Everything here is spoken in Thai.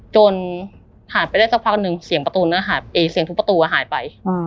จนผ่านไปได้สักพักหนึ่งเสียงทุกประตูก็หายไป